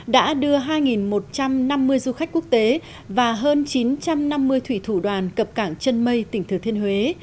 đã đưa hai một trăm năm mươi du khách quốc tế và hơn chín trăm năm mươi thủy thủ đoàn cập cảng chân mây tỉnh thừa thiên huế